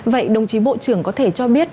vậy đồng chí bộ trưởng có thể cho biết